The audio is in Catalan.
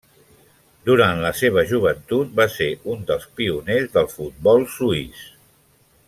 Durant la seva joventut va ser un dels pioners del futbol suís.